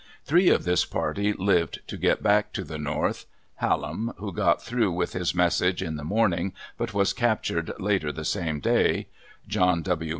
Three of this party lived to get back to the North Hallam, who got through with his message in the morning, but was captured later the same day; John W.